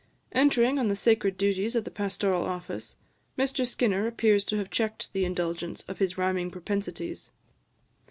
Entering on the sacred duties of the pastoral office, Mr Skinner appears to have checked the indulgence of his rhyming propensities.